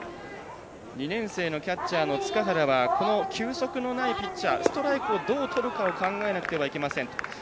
２年生のキャッチャーの塚原はこの球速のないピッチャーストライクをどうとるかを考えなくてはいけません。